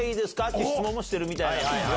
っていう質問もしてるみたい。